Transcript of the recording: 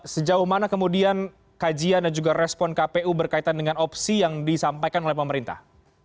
sejauh mana kemudian kajian dan juga respon kpu berkaitan dengan opsi yang disampaikan oleh pemerintah